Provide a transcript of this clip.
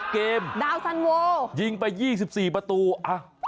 ๖เกมยิงไป๒๔ประตูอ่ะ